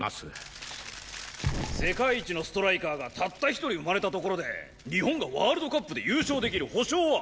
世界一のストライカーがたった一人生まれたところで日本がワールドカップで優勝できる保証は？